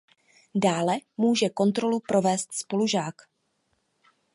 Dále může kontrolu provést spolužák.